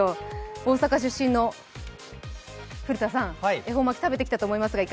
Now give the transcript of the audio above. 大阪出身の古田さん、恵方巻、食べてきたと思いますが。